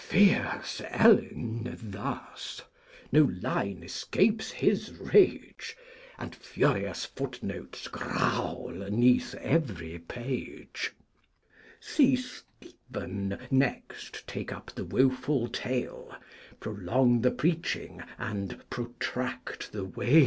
Fierce El n thus: no Line escapes his Rage, And furious Foot notes growl 'neath every Page: See St ph n next take up the woful Tale, Prolong the Preaching, and protract the Wail!